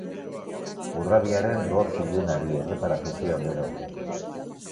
Urrabiaren boz ilunari erreparatu zion gero.